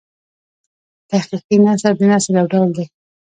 تحقیقي نثر د نثر یو ډول دﺉ.